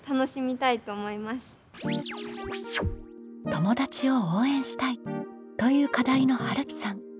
「友達を応援したい」という課題のはるきさん。